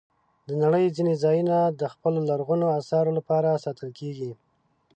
د نړۍ ځینې ځایونه د خپلو لرغونو آثارو لپاره ساتل کېږي.